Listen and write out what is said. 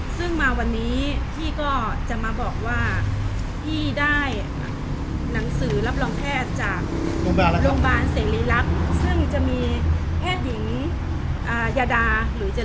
ซึ่งมาวันนี้พี่ก็จะมาบอกว่าพี่ได้หนังสือรับรองแพทย์จากโรงพยาบาลเสรีรักษ์ซึ่งจะมีแพทย์หญิงยาดาหรือเจ